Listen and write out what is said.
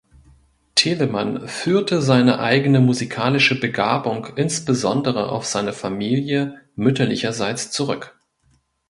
Telemann führte seine eigene musikalische Begabung insbesondere auf seine Familie mütterlicherseits zurück.